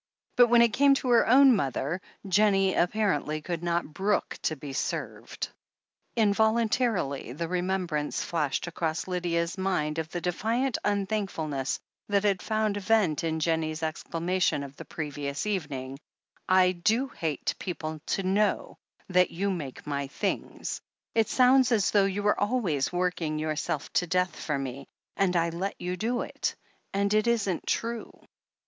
But when it came to her own mother, Jennie apparently could not brook to be served. Involuntarily the remembrance flashed across Lydia's mind of the ddiant unthankf ulness that had found vent in Jennie's exclamation of the previous evening: 'T do hate people to know that you make my 370 THE HEEL OF ACHILLES things. ... It sounds as though you were always working yourself to death for me, and I let you do it — and it isn't true."